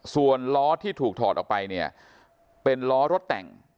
ส่วนล้อที่ถูกถอดออกไปเนี่ยเป็นล้อรถแต่ง